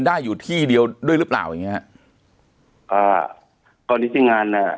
ได้อยู่ที่เดียวด้วยรึเปล่าอย่างเงี้ยอ่ากรณีที่งานอ่ะ